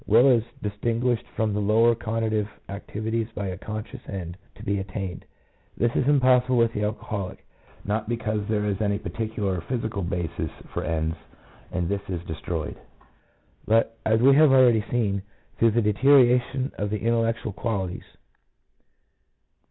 Will is distinguished from the lower conative activities by a conscious end to be attained. This is impossible with the alcoholic; not because there is any particular physical basis foi WILL. 113 ends and this is destroyed, but as we have already seen, through the deterioration of the intellectual qualities.